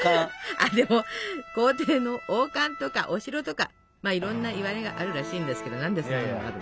あでも皇帝の王冠とかお城とかいろんないわれがあるらしいんですけど何でそんなのがあるの？